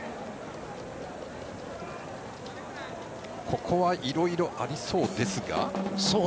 ここはいろいろありそうですが。